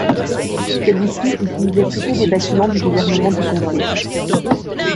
Celui-ci utilisait plutôt des bâtiments du gouvernement du comté.